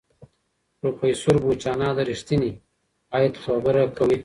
پروفیسور بوچانان د ریښتیني عاید خبره کوي.